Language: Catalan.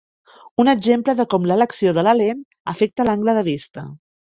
Un exemple de com l'elecció de la lent afecta l'angle de vista.